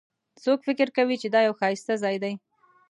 څوک فکر کوي چې دا یو ښایسته ځای ده